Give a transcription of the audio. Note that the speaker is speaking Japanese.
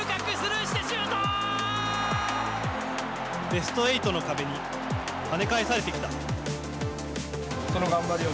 ベスト８の壁にはね返されてきた。